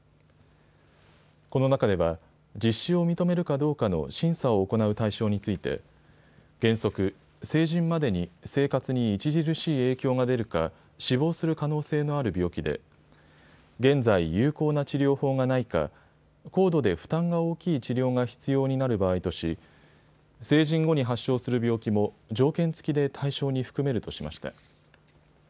この中では、実施を認めるかどうかの審査を行う対象について原則、成人までに生活に著しい影響が出るか死亡する可能性のある病気で現在有効な治療法がないか、高度で負担が大きい治療が必要になる場合とし成人後に発症する病気も条件付きで対象に含めるとしました。